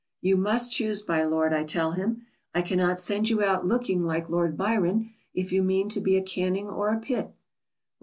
'You must choose, my lord,' I tell him. 'I cannot send you out looking like Lord Byron if you mean to be a Canning or a Pitt.